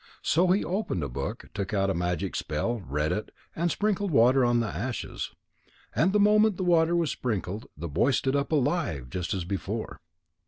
So he opened a book, took out a magic spell, read it, and sprinkled water on the ashes. And the moment the water was sprinkled, the boy stood up alive just as before.